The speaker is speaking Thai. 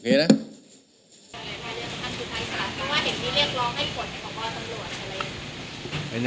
โอเคนะ